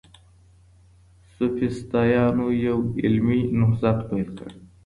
سوفسطائيانو يو علمي نهضت پيل کړ.